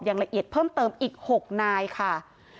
อย่างละเอียดเพิ่มเติมอีก๖นายค่ะ